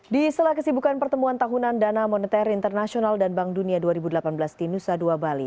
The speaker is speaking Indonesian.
di sela kesibukan pertemuan tahunan dana moneter internasional dan bank dunia dua ribu delapan belas di nusa dua bali